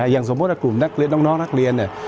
อย่างสมมุติว่ากลุ่มนักเรียนน้องนักเรียนเนี่ย